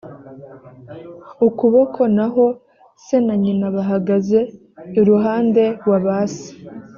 ukuboko naho se na nyina bagahagaze iruhande waba se